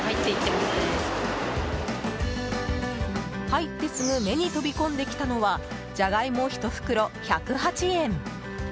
入ってすぐ目に飛び込んできたのはジャガイモ１袋１０８円。